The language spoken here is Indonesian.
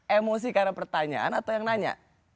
emosi karena pertanyaan atau yang nanya